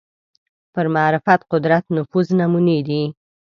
پر معرفت قدرت نفوذ نمونې دي